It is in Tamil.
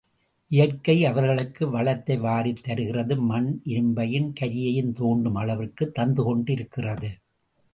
இயற்கை அவர்களுக்கு வளத்தை வாரித் தருகிறது, மண் இரும்பையும் கரியையும் தோண்டும் அளவிற்குத் தந்துகொண்டிருக்கிறது.